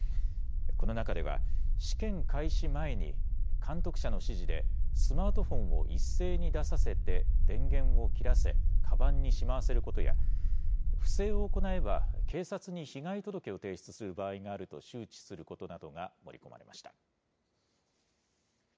この中では、試験開始前に監督者の指示でスマートフォンを一斉に出させて、電源を切らせ、かばんにしまわせることや、不正を行えば、警察に被害届を提出する場合があると周知することなどが盛り込まれました。